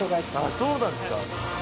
そうなんですか。